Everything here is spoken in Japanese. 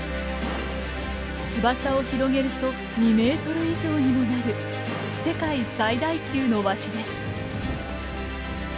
翼を広げると２メートル以上にもなる世界最大級のワシです。